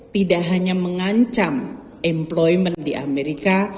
tidak hanya mengancam employment di amerika